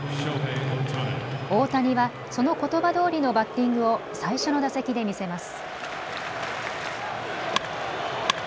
大谷はそのことばどおりのバッティングを最初の打席で見せます。